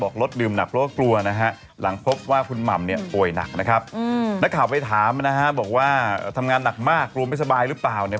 เขาอาจจะกระจายไปซื้อคนละที่